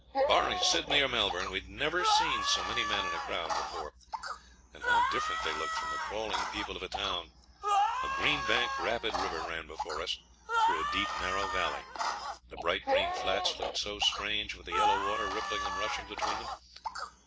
Barring Sydney or Melbourne, we'd never seen so many men in a crowd before; and how different they looked from the crawling people of a town! A green banked rapid river ran before us, through a deep narrow valley. The bright green flats looked so strange with the yellow water rippling and rushing between them.